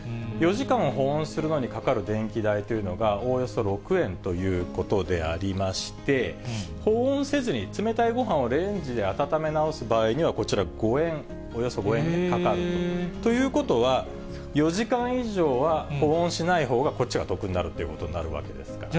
４時間保温するのにかかる電気代というのが、おおよそ６円ということでありまして、保温せずに冷たいごはんをレンジで温め直す場合にはこちら５円、およそ５円かかると。ということは、４時間以上は保温しない方がこっちが得になるってことですから。